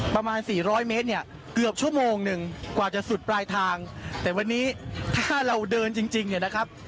ประมาณสี่ร้อยเมตรเนี่ยเกือบชั่วโมงหนึ่งกว่าจะสุดปลายทางแต่วันนี้ถ้าเราเดินจริงจริงเนี่ยนะครับ